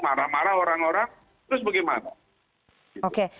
marah marah orang orang terus bagaimana